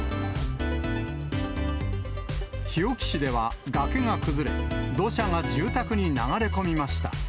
日置市ではがけが崩れ、土砂が住宅に流れ込みました。